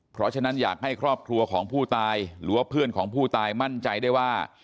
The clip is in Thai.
เพราะฉะนั้นอยากให้ครอบครัวของผู้ตายหรือว่าเพื่อนของผู้ตายมั่นใจได้ว่า